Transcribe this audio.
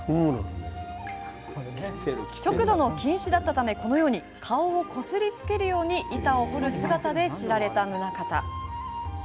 極度の近視だったためこのように顔をこすりつけるように板を彫る姿で知られた棟方。